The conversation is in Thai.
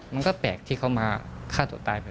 มันก็แปลกที่เขามาฆ่าตัวตายไป